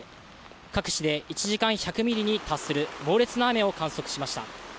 各地で１時間１００ミリに達する猛烈な雨を観測しました。